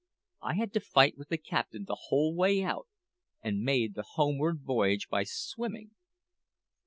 I had to fight with the captain the whole way out, and made the homeward voyage by swimming!"